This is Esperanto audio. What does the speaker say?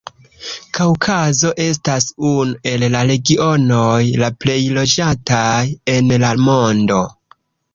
Kaŭkazo estas unu el la regionoj la plej loĝataj en la mondo.